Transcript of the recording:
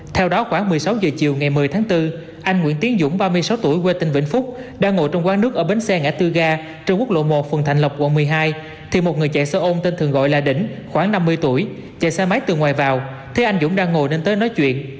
theo đó khoảng một mươi sáu h chiều ngày một mươi tháng bốn anh nguyễn tiến dũng ba mươi sáu tuổi quê tình vĩnh phúc đang ngồi trong quán nước ở bến xe ngã tư ga trung quốc lộ một phần thành lộc quận một mươi hai thì một người chạy xe ôn tên thường gọi là đỉnh khoảng năm mươi tuổi chạy xe máy từ ngoài vào thấy anh dũng đang ngồi nên tới nói chuyện